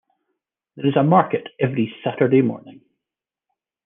There is a market every Saturday morning.